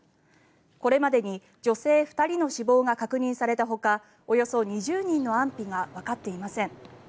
これまでに女性２人の死亡が確認されたほかおよそ２０人の安否がわかっていません。